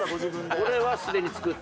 俺はすでに作った。